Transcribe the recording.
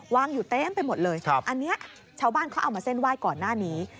วางอยู่เต็มไปหมดเลยอันนี้ชาวบ้านเขาเอามาเส้นไหว้ก่อนหน้านี้